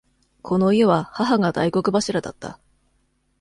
この家は母が大黒柱だった。